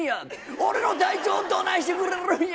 俺の体調どないしてくれるんや。